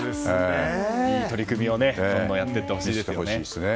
いい取組をどんどんやっていってほしいですね。